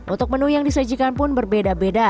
untuk menu yang disajikan pun berbeda beda